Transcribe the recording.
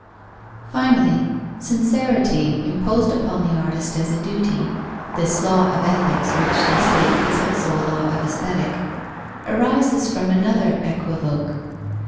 _ Finally, sincerity imposed upon the artist as a duty (this law of ethics which, they say, is also a law of aesthetic) arises from another equivoke.